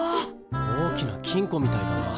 大きな金庫みたいだな。